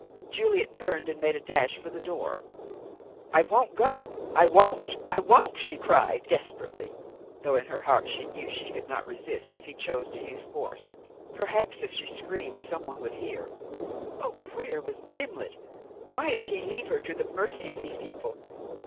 Juliet turned and made a dash for the door. "I won't go! I won't! I won't!" she cried desperately, though in her heart she knew she could not resist if he chose to use force. Perhaps if she screamed, some one would hear. Oh, where was Gimblet? Why did he leave her to the mercy of these people?